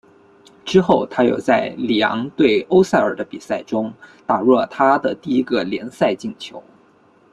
之后他又在里昂对欧塞尔的比赛中打入了他的第一个联赛进球。